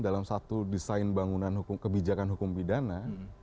dalam satu desain bangunan kebijakan hukum pidana